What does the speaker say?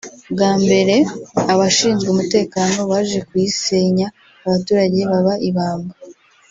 bwa mbere abashinzwe umutekano baje kuyisenye abaturage baba ibamba